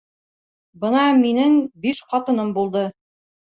Бына минең биш ҡатыным булды.